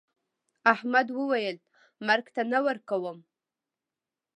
احمد وويل: مرگ ته نه ورکوم.